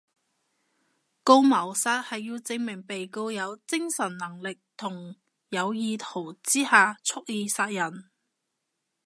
告謀殺係要證明被告有精神能力同有意圖之下蓄意殺人